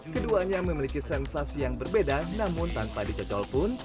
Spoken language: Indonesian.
keduanya memiliki sensasi yang berbeda namun tanpa dicocol pun